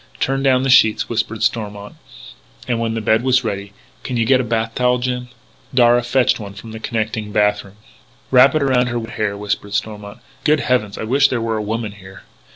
"Turn down the sheets," whispered Stormont. And, when the bed was ready: "Can you get a bath towel, Jim?" Darragh fetched one from the connecting bath room. "Wrap it around her wet hair," whispered Stormont. "Good heavens, I wish there were a woman here."